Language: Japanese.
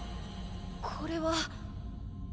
これは？